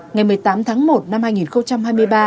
ngày một mươi tám tháng một năm hai nghìn hai mươi ba